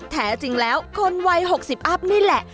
แท้จริงแล้วคนวัย๖๐อัพนี่แหละ